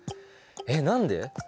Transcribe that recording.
えっ何で？